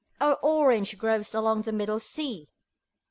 O orange groves along the Middle Sea!